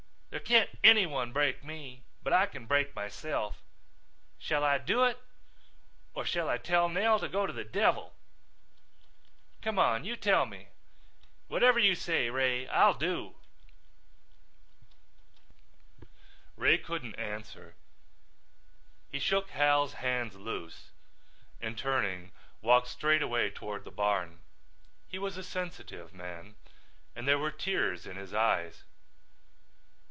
There can't anyone break me but I can break myself. Shall I do it or shall I tell Nell to go to the devil? Come on, you tell me. Whatever you say, Ray, I'll do." Ray couldn't answer. He shook Hal's hands loose and turning walked straight away toward the barn. He was a sensitive man and there were tears in his eyes.